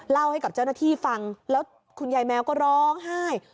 เล่าให้กับเจ้าหน้าที่ฟังแล้วคุณยายแมวก็ร้องไห้